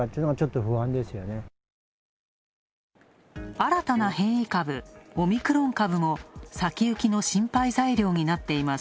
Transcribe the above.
新たな変異株、オミクロン株も先行きの心配材料になっています。